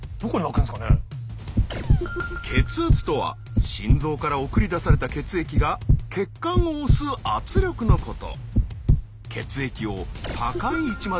血圧とは心臓から送り出された血液が血管を押す圧力のこと。